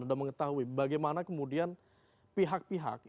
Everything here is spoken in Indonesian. sudah mengetahui bagaimana kemudian pihak pihak